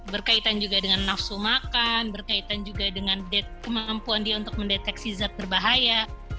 berkaitan juga dengan nafsu makan berkaitan juga dengan kemampuan dia untuk mendeteksi zat berbahaya